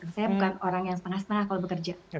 saya bukan orang yang setengah setengah kalau bekerja